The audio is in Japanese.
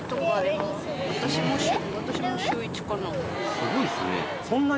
すごいっすね。